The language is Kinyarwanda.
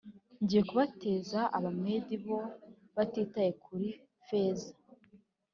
Ngiye kubateza Abamedi, bo batitaye kuri feza,